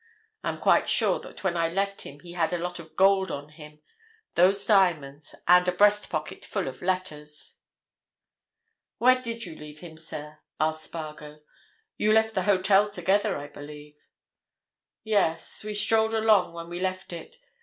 I am quite sure that when I left him he had a lot of gold on him, those diamonds, and a breast pocket full of letters." "Where did you leave him, sir?" asked Spargo. "You left the hotel together, I believe?" "Yes. We strolled along when we left it.